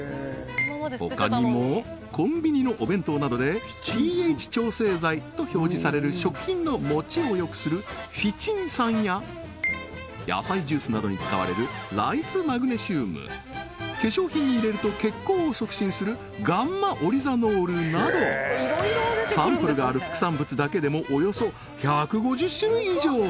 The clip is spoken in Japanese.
他にもコンビニのお弁当などでｐＨ調整剤と表示される食品の持ちを良くするフィチン酸や野菜ジュースなどに使われるライスマグネシウム化粧品に入れると血行を促進するγ−オリザノールなどサンプルがある副産物だけでもおよそ１５０種類以上！